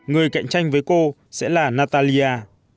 người cạnh tranh với cô sẽ là natalia